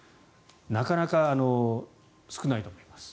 なかなか少ないと思います。